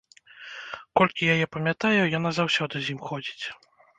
Колькі яе памятаю, яна заўсёды з ім ходзіць.